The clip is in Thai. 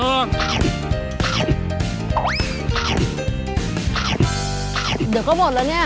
น้ำจิ้มดีมากเลยอ่ะน้ำจิ้มอร่อยมาก